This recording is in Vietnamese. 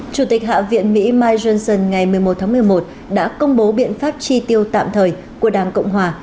chủ tịch hạ viện mỹ mike johnson ngày một mươi một tháng một mươi một đã công bố biện pháp tri tiêu tạm thời của đảng cộng hòa